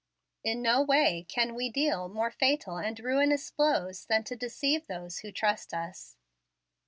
In no way can we deal more fatal and ruinous blows than to deceive those who trust us.